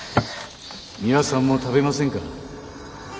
ミワさんも食べませんか。